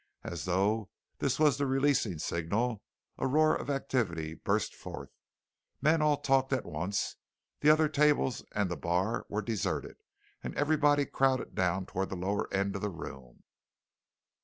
As though this was the releasing signal, a roar of activity burst forth. Men all talked at once. The other tables and the bar were deserted, and everybody crowded down toward the lower end of the room.